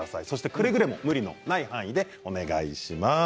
くれぐれも無理のない範囲でお願いします。